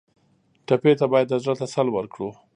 ټپي ته باید د زړه تسل ورکړو.